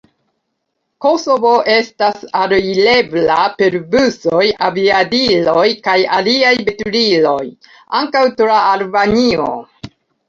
Kosovo estas alirebla per busoj, aviadiloj kaj aliaj veturiloj, ankaŭ tra Albanio.